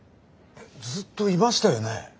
ずっといましたよね？